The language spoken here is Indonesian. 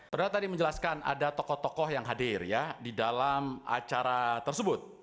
saudara tadi menjelaskan ada tokoh tokoh yang hadir ya di dalam acara tersebut